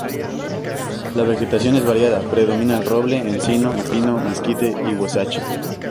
La vegetación es variada, predomina el roble, encino, pino, mezquite y huizache.